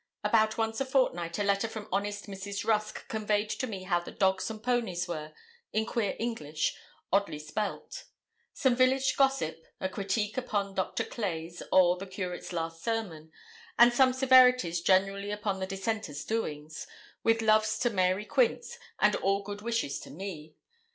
About once a fortnight a letter from honest Mrs. Rusk conveyed to me how the dogs and ponies were, in queer English, oddly spelt; some village gossip, a critique upon Doctor Clay's or the Curate's last sermon, and some severities generally upon the Dissenters' doings, with loves to Mary Quince, and all good wishes to me.